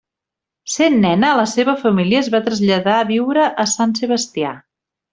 Sent nena, la seva família es va traslladar a viure a Sant Sebastià.